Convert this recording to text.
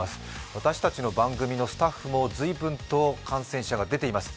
私たちの番組のスタッフもずいぶんと感染者が出ています。